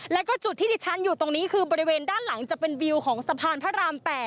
แล้วก็จุดที่ที่ฉันอยู่ตรงนี้คือบริเวณด้านหลังจะเป็นวิวของสะพานพระราม๘